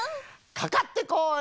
かかってこい！